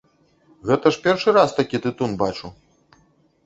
Гэта ж першы раз такі тытун бачу.